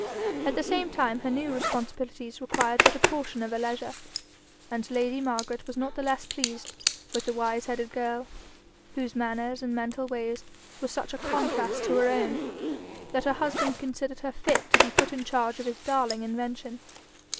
At the same time her new responsibilities required but a portion of her leisure, and lady Margaret was not the less pleased with the wise headed girl, whose manners and mental ways were such a contrast to her own, that her husband considered her fit to be put in charge of his darling invention.